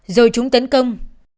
rồi chúng tấn công